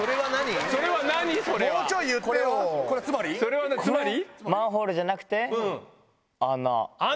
それはつまり？